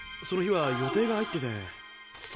その日は予定が入ってて。